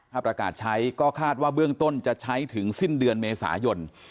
ถ้าประกาศใช้ก็คาดว่าเบื้องต้นจะใช้ถึงสิ้นเดือนเมษายน